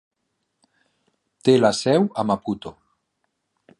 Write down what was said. Té la seu a Maputo.